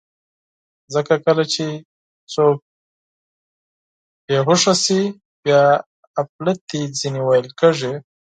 ځکه کله چې څوک بېهوښه شي، بیا اپلتې ځینې ویل کېږي.